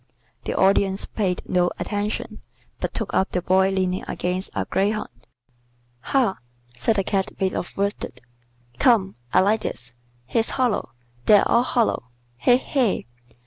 The Audience paid no attention, but took up the Boy leaning against a greyhound. "Ha!" said the Cat made of worsted. "Come. I like this. He's hollow. They're all hollow. He! he!